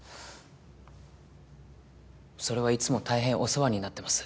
それはいつも大変お世話になってます。